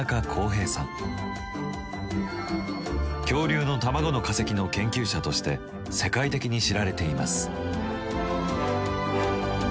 恐竜の卵の化石の研究者として世界的に知られています。